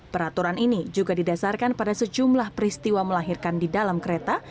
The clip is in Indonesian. peraturan ini juga didasarkan pada sejumlah peristiwa melahirkan di dalam kereta